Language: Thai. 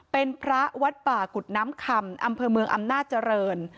เป็นพระวัดป่ากุฎน้ำคำอำเภอเมืองอำนาจเจริญ